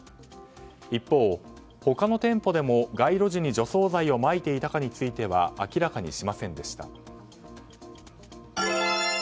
一方、他の店舗でも街路樹に除草剤をまいていたかについては明らかにしませんでした。